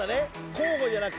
交互じゃなくて。